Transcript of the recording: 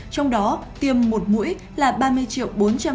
trong đó tiêm một mũi là ba mươi liều